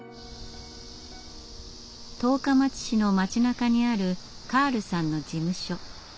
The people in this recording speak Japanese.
十日町市の町なかにあるカールさんの事務所。